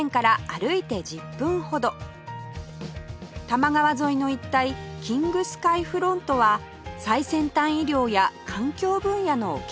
多摩川沿いの一帯キングスカイフロントは最先端医療や環境分野の研究機関や企業